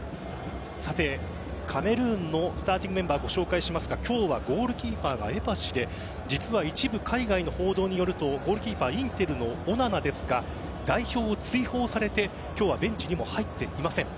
さて、カメルーンのスターティングメンバーをご紹介しますが今日はゴールキーパー、エパシで実は一部海外の報道によるとゴールキーパーのインテルのオナナは代表を追放されて今日はベンチにも入っていません。